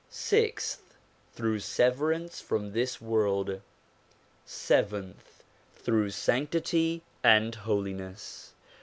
Sixth, through severance from this world. Seventh, through sanctity and holiness.